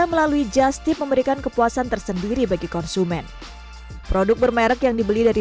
melalui just tip memberikan kepuasan tersendiri bagi konsumen produk bermerek yang dibeli dari